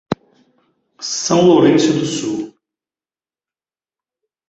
São Lourenço do Sul